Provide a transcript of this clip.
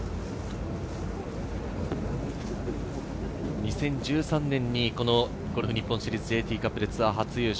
２０１３年にゴルフ日本シリーズＪＴカップツアー初優勝。